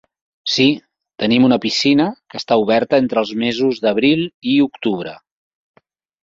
Sí, tenim una piscina que està oberta entre els mesos d'abril i octubre.